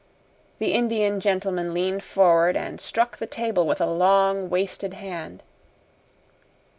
The Indian gentleman leaned forward and struck the table with a long, wasted hand.